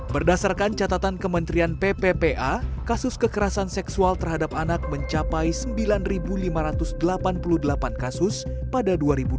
berdasarkan catatan kementerian pppa kasus kekerasan seksual terhadap anak mencapai sembilan lima ratus delapan puluh delapan kasus pada dua ribu dua puluh